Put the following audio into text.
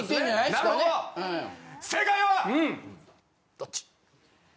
・どっち？